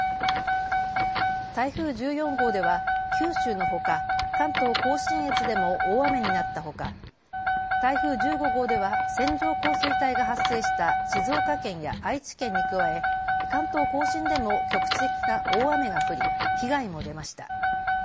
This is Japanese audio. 台風１４号では九州のほか関東甲信越でも大雨になったほか台風１５号では線状降水帯が発生した静岡県や愛知県に加え関東甲信でも局地的な大雨が降り被害も出ました。